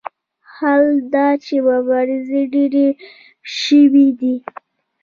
حال دا چې مبارزې ډېرې شوې دي.